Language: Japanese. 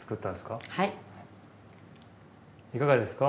いかがですか？